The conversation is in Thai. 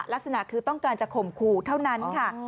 ลักษณะคือต้องการจะข่มขู่เท่านั้นค่ะ